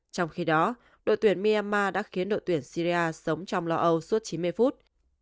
trong khi đó đội tuyển myanmar đã khiến đội tuyển syria sống trong lo âu suốt chín mươi phút